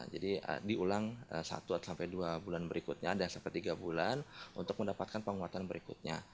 jadi diulang satu dua bulan berikutnya ada sampai tiga bulan untuk mendapatkan penguatan berikutnya